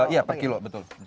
iya per kilo betul